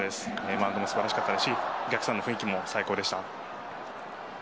マウンドもすばらしかったですしお客さんの雰囲気も最高でした。